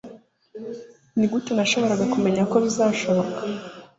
Nigute nashoboraga kumenya ko bizashoboka